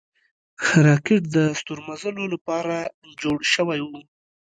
راکټ د ستورمزلو له پاره جوړ شوی و